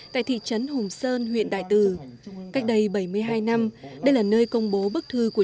tại thị trấn hùng sơn huyện đại từ cách đây bảy mươi hai năm đây là nơi công bố bức thư của